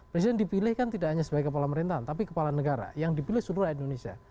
presiden dipilih kan tidak hanya sebagai kepala pemerintahan tapi kepala negara yang dipilih seluruh indonesia